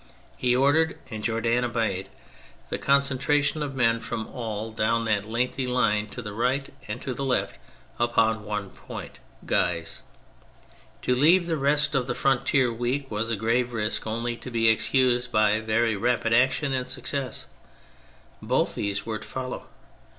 He ordered (and Jourdan obeyed) the concentration of men from all down that lengthy line to the right and the left upon one point. Guise. To leave the rest of the frontier weak was a grave risk only to be excused by very rapid action and success : both these were to follow.